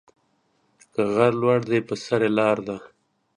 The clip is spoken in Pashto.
که غر لوړ دى، په سر يې لار ده.